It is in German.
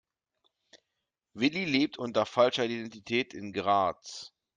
Willi lebt unter falscher Identität in Graz.